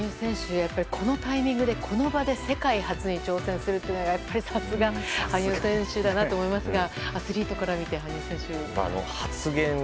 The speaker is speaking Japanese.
やっぱり、このタイミングでこの場で世界初に挑戦するというのがさすが羽生選手だなと思いますがアスリートから見て羽生選手は？